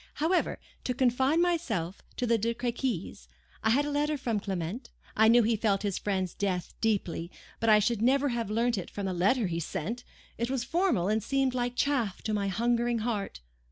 However, to confine myself to the De Crequys. I had a letter from Clement; I knew he felt his friend's death deeply; but I should never have learnt it from the letter he sent. It was formal, and seemed like chaff to my hungering heart.